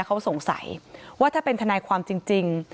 เขาสงสัยว่าถ้าเป็นทนายความจริง